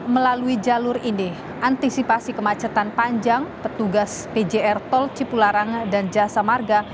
melalui jalur ini antisipasi kemacetan panjang petugas pjr tol cipularang dan jasa marga